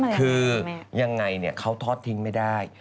คือยังไงเขาทอดทิ้งไม่ได้